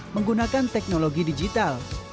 menggunakan teknologi digital